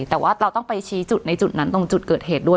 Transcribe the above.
แต่ว่าเราต้องไปชี้จุดในจุดนั้นตรงจุดเกิดเหตุด้วย